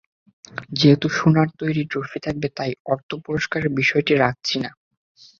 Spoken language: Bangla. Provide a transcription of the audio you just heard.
যেহেতু সোনার তৈরি ট্রফি থাকবে, তাই অর্থ পুরস্কারের বিষয়টি রাখছি না।